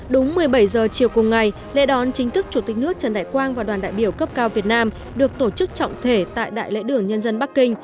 đúng một mươi bảy h chiều cùng ngày lễ đón chính thức chủ tịch nước trần đại quang và đoàn đại biểu cấp cao việt nam được tổ chức trọng thể tại đại lễ đường nhân dân bắc kinh